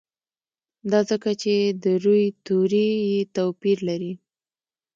دا ځکه چې د روي توري یې توپیر لري.